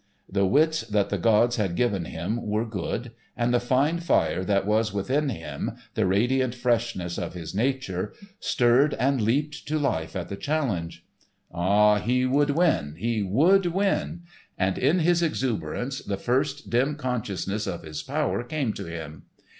The wits that the gods had given him were good, and the fine fire that was within him, the radiant freshness of his nature, stirred and leaped to life at the challenge. Ah, he would win, he would win! And in his exuberance, the first dim consciousness of his power came to him.